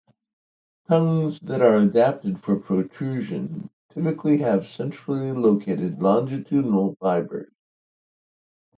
Tongues that are adapted for protrusion typically have centrally located longitudinal fibers.